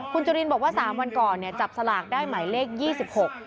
คุณจุรินบอกว่า๓วันก่อนจับสลากได้หมายเลข๒๖